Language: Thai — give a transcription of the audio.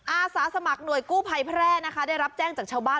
อาสาสมัครหน่วยกู้ภัยแพร่นะคะได้รับแจ้งจากชาวบ้าน